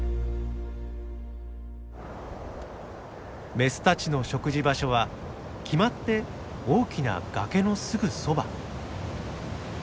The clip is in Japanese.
メスたちの食事場所は決まって大きな崖のすぐそば。